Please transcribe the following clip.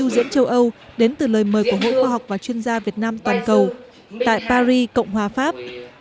diễn châu âu đến từ lời mời của hội khoa học và chuyên gia việt nam toàn cầu tại paris cộng hòa pháp